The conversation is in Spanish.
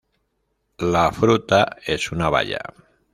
La fruta es una baya.